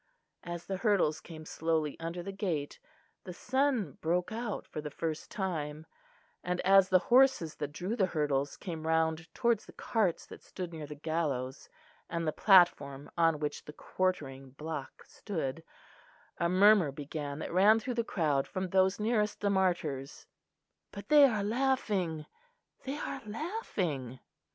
As the hurdles came slowly under the gate, the sun broke out for the first time; and as the horses that drew the hurdles came round towards the carts that stood near the gallows and the platform on which the quartering block stood, a murmur began that ran through the crowd from those nearest the martyrs. "But they are laughing, they are laughing!"